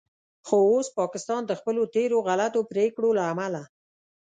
خو اوس پاکستان د خپلو تیرو غلطو پریکړو له امله